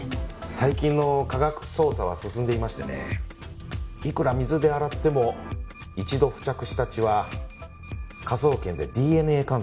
最近の科学捜査は進んでいましてねいくら水で洗っても一度付着した血は科捜研でＤＮＡ鑑定できるんです。